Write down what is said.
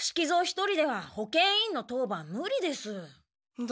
ひとりでは保健委員の当番ムリです。